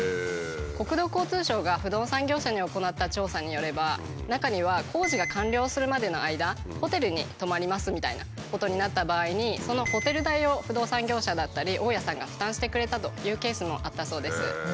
国土交通省が不動産業者に行った調査によれば中には工事が完了するまでの間ホテルに泊まりますみたいなことになった場合にそのホテル代を不動産業者だったり大家さんが負担してくれたというケースもあったそうです。